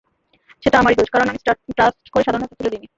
সেটা আমারই দোষ, কারণ আমি ট্রাষ্ট করে সাধারণের হাতে তুলে দিইনি।